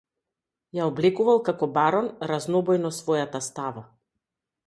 Ја облекувал како барон разнобојно својата става.